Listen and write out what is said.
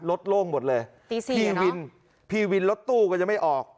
โล่งหมดเลยตีสี่พี่วินพี่วินรถตู้ก็จะไม่ออก